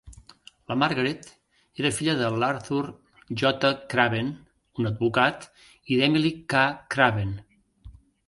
La Margaret era filla de l"Arthur J. Craven, un advocat, i d'Emily K. Craven.